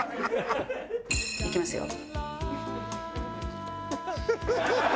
いきますよ。